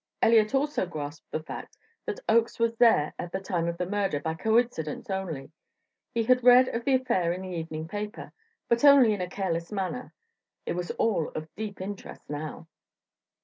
Elliott also grasped the fact that Oakes was there at the time of the murder by coincidence only. He had read of the affair in the evening paper, but only in a careless manner. It was all of deep interest now.